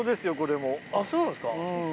あっそうなんですか。